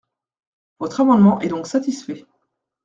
Votre amendement est donc satisfait.